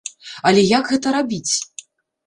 Але як гэта рабіць?